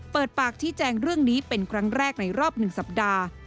เปิดปากชี้แจงเรื่องนี้เป็นครั้งแรกในรอบ๑สัปดาห์